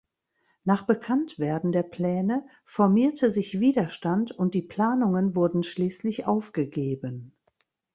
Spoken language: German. Nach Bekanntwerden der Pläne formierte sich Widerstand und die Planungen wurden schließlich aufgegeben.